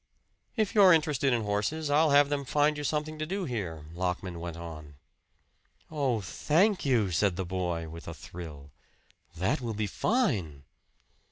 "If you're interested in horses, I'll have them find you something to do here," Lockman went on. "Oh, thank you," said the boy with a thrill. "That will be fine!"